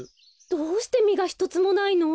どうしてみがひとつもないの？